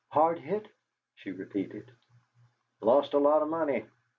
"Hard hit?" she repeated. "Lost a lot of money.